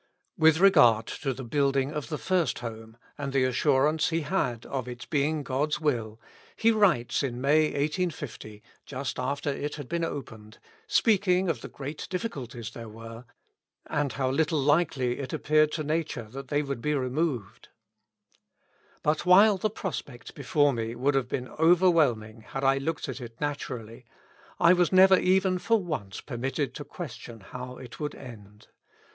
With regard to the buildiug of the first Home and the assur ance he had of its being God's will, he writes in May, 1850, just after it had been opened, speaking of the great difficulties there were, and how little likely it appeared to nature that they would be removed :" But while the prospect before me would have been overwhelming had I looked at it naturally, I was never even for once permitted to question how it would end.